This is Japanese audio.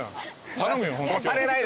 頼むよ。